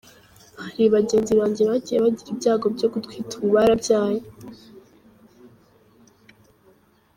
Hari bagenzi banjye bagiye bagira ibyago byo gutwita ubu barabyaye.